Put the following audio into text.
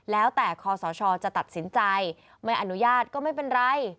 แล้วแต่คอสชจะตัดสินใจไม่อนุญาตก็ไม่เป็นไร